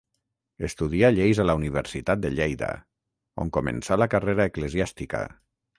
Estudià lleis a la Universitat de Lleida, on començà la carrera eclesiàstica.